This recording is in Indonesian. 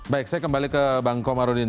baik saya kembali ke bang komarudin